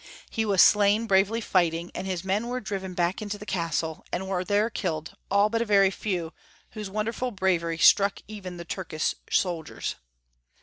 He was slain bravely fighting, and liis men were driven back into the castle, and were there killed, all but a very few, whose wonderful bravery struck even the Tuikish soldiers.